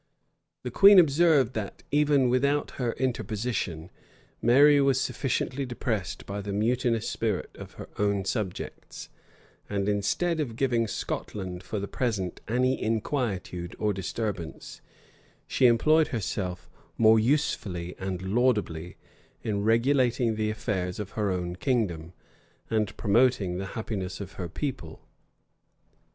The queen observed that, even without her interposition, Mary was sufficiently depressed by the mutinous spirit of her own subjects; and instead of giving Scotland for the present any inquietude or disturbance, she employed herself, more usefully and laudably, in regulating the affairs of her own kingdom, and promoting the happiness of her people.